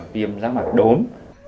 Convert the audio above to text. viêm rác mạc đốm